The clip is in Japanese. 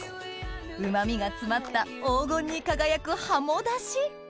うま味が詰まった黄金に輝くハモ出汁